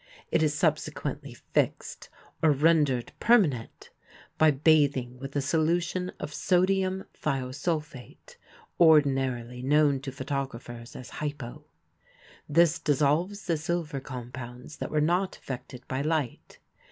It is subsequently fixed, or rendered permanent, by bathing with a solution of sodium thiosulphate (ordinarily known to photographers as "hypo"). This dissolves the silver compounds that were not affected by light.